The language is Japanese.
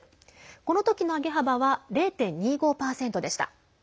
この時の上げ幅は０．２５％でした。